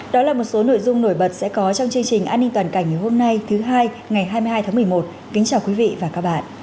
đó là một số nội dung nổi bật sẽ có trong chương trình an ninh toàn cảnh ngày hôm nay thứ hai ngày hai mươi hai tháng một mươi một kính chào quý vị và các bạn